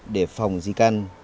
để phòng di căn